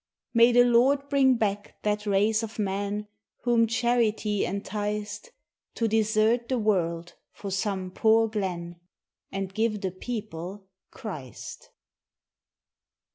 May the Lord bring back that race of men Whom charity enticed To desert the world for some poor glen And give the people Christ.